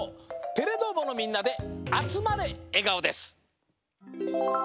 「テレどーも！」のみんなで「あつまれ！笑顔」です。